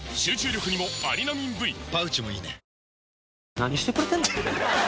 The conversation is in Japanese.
何してくれてんねん。